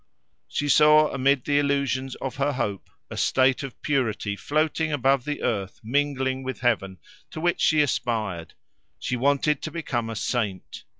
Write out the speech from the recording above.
She saw amid the illusions of her hope a state of purity floating above the earth mingling with heaven, to which she aspired. She wanted to become a saint.